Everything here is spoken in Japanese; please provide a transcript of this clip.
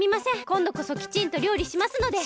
こんどこそきちんとりょうりしますので。